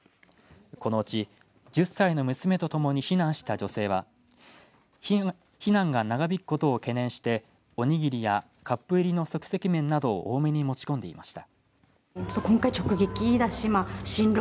このうち１０歳の娘とともに避難した女性は避難が長引くことを懸念してお握りやカップ入りの即席麺などを多めに持ち込んでいました。